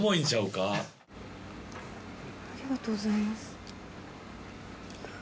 ありがとうございます。